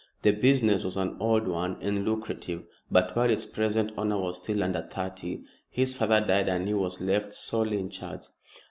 The business was an old one and lucrative; but while its present owner was still under thirty, his father died and he was left solely in charge.